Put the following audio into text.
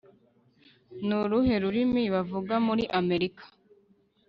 ni uruhe rurimi bavuga muri amerika